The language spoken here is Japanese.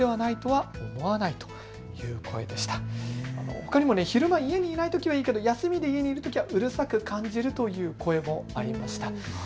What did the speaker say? ほかにも昼間、家にいないときはいいけど、休みでいるときはうるさく感じるという声もありました。